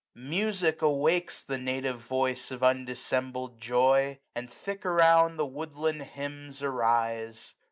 Music awakes 60 The native voice of undissembled joy ; And thick around the woodland hymns arise.